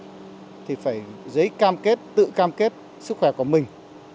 và khi nộp hồ sơ học thì phải giấy cam kết tự cam kết sức khỏe của mình